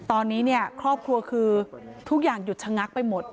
ตอนนี้เนี่ยครอบครัวคือทุกอย่างหยุดชะงักไปหมด